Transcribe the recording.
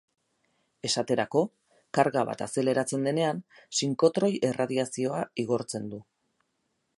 Esaterako, karga bat azeleratzen denean, sinkrotroi-erradiazioa igortzen du.